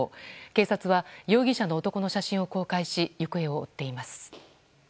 警察は容疑者の男の写真を公開し行方を追っています。